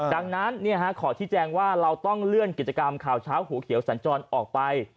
ดังนั้นขอที่แจ้งว่าเราต้องเลื่อนกิจกรรมข่าวเช้าหัวเขียวสัญจรออกไป